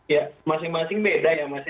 ya masing masing beda ya mas ya